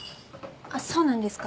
あっそうなんですか？